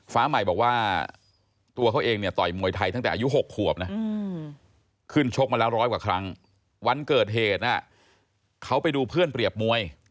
ฟ้าใหม่บอกว่าตัวเขาเองเนี่ยต่อยมวยไทยตั้งแต่อายุ๖ขวบนะขึ้นชกมาแล้วร้อยกว่าครั้งวันเกิดเหตุเขาไปดูเพื่อนเปรียบมวย